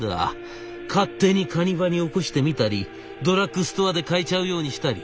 勝手にカニバリ起こしてみたりドラッグストアで買えちゃうようにしたり。